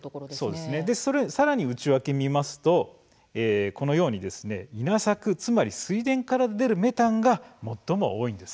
さらに内訳を見ますとこのように稲作、つまり水田から出るメタンが最も多いんです。